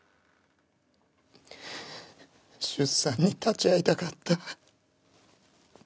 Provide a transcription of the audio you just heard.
出産に立ち会いたかった。